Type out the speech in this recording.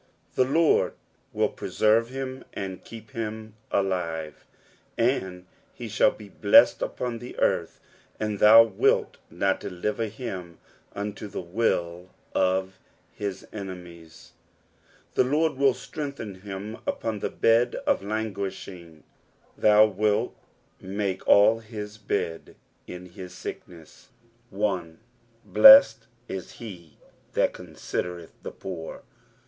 2 The LoRU will preserve him, and keep him alive ; aruf he shall be blessed upon the earth : and thou wilt not deliver him unto the will of his enemies. 3 The Lord will strengthen him upon the bed of languishing : thou wilt make all his bed in his sickness. 1. ^^BUsaed is lie that considereth the poor.'''